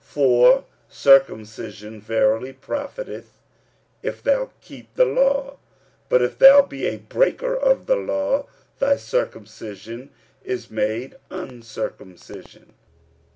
45:002:025 For circumcision verily profiteth, if thou keep the law: but if thou be a breaker of the law, thy circumcision is made uncircumcision.